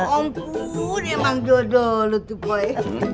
ya ampun emang jodoh lu tuh boy